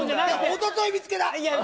おととい見つけた！